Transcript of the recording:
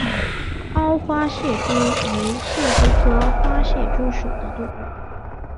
凹花蟹蛛为蟹蛛科花蟹蛛属的动物。